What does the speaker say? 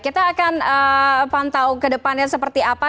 kita akan pantau kedepannya seperti apa